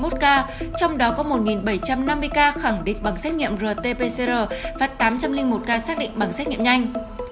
trong đó có một bảy trăm năm mươi ca khẳng định bằng xét nghiệm rt pcr và tám trăm linh một ca xác định bằng xét nghiệm nhanh